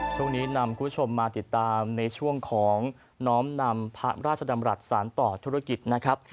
ช่วงนี้นำคุณผู้ชมมาติดตามในช่วงของน้อมนำพระราชดำรัฐสารต่อธุรกิจนะครับ